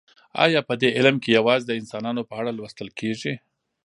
ایا په دې علم کې یوازې د انسانانو په اړه لوستل کیږي